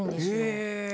へえ。